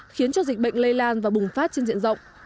khiến cho dịch bệnh lây lan và bùng phát trên diện rộng